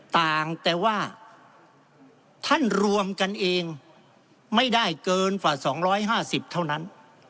ต่างแต่ว่าท่านรวมกันเองไม่ได้เกินฝั่งสองร้อยห้าสิบเท่านั้น